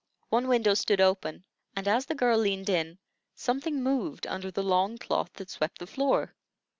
One window stood open, and as the girl leaned in, something moved under the long cloth that swept the floor.